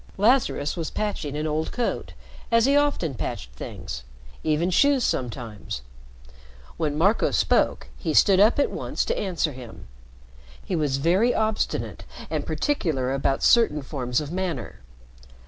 Lazarus was patching an old coat as he often patched things even shoes sometimes. When Marco spoke, he stood up at once to answer him. He was very obstinate and particular about certain forms of manner.